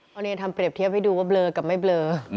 เอาเนี่ยทำเปรียบเทียบให้ดูว่าเบลอกับไม่เบลอ